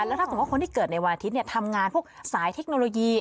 แล้วถ้าสมมุติคนที่เกิดในวันอาทิตย์ทำงานพวกสายเทคโนโลยี